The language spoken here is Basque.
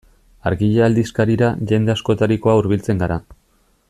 Argia aldizkarira jende askotarikoa hurbiltzen gara.